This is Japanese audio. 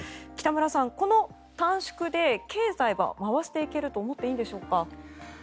北村さん、この短縮で経済は回していけると思っていいんでしょうか。